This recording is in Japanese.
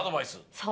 そう。